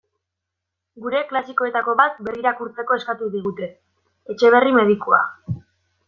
Gure klasikoetako bat berrirakurtzeko eskatu digute: Etxeberri medikua.